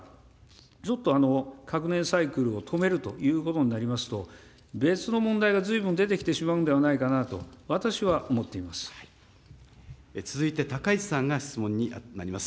ちょっと核燃料サイクルを止めるということになりますと、別の問題がずいぶん出てきてしまうんではないかなと、私は思って続いて高市さんが質問になります。